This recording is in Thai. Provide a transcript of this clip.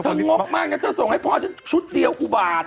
งกมากนะเธอส่งให้พ่อฉันชุดเดียวอุบาท